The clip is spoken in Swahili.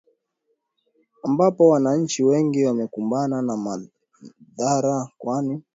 ambapo wananchi wengi wamekumbana na madhara kwani